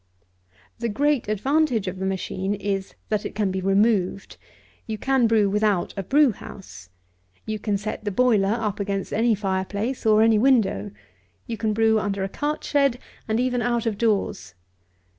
The great advantage of the machine is, that it can be removed. You can brew without a brew house. You can set the boiler up against any fire place, or any window. You can brew under a cart shed, and even out of doors.